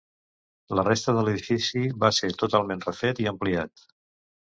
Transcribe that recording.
La resta de l'edifici va ser totalment refet i ampliat.